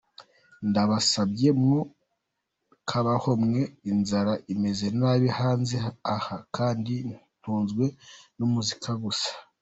Ndabasabye mwo kabaho mwe inzara imeze nabi hanze aha kandi ntunzwe n’umuziki gusa.